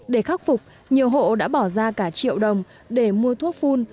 để khắc phục nhiều hộ đã bỏ ra cả triệu đồng để mua thuốc phun